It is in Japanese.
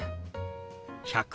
「１００」。